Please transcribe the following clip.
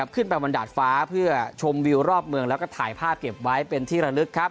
ขึ้นไปบนดาดฟ้าเพื่อชมวิวรอบเมืองแล้วก็ถ่ายภาพเก็บไว้เป็นที่ระลึกครับ